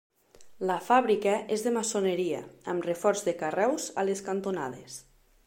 La fàbrica és de maçoneria, amb reforç de carreus a les cantonades.